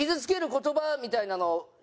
言葉みたいなのしか。